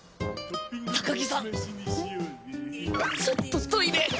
ちょっとトイレ！